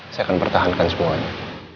saya akan pertahankan semuanya